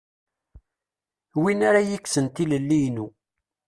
Win ara iyi-ikksen tilelli-inu.